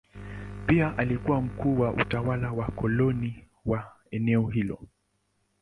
Pia alikuwa mkuu wa utawala wa kikoloni wa eneo hilo.